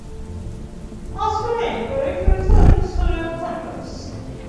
Austria and Greece returned to the contest.